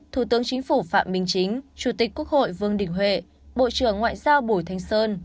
thủ tướng chính phủ phạm minh chính chủ tịch quốc hội vương đình huệ bộ trưởng ngoại giao bùi thanh sơn